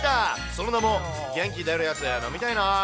その名も、元気出るやつ飲みたいなー。